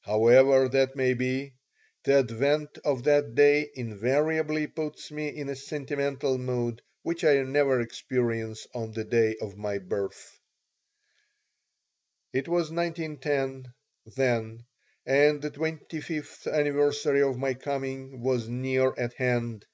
However that may be, the advent of that day invariably puts me in a sentimental mood which I never experience on the day of my birth It was 1910, then, and the twenty fifth anniversary of my coming was near at hand.